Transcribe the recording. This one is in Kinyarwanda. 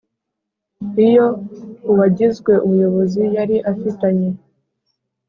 Iyo uwagizwe umuyobozi yari afitanye